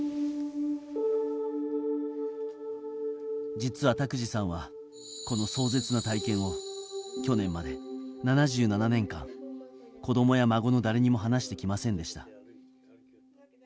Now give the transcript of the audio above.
実は拓治さんはこの壮絶な体験を去年まで７７年間子供や孫の誰にも話してきませんでした。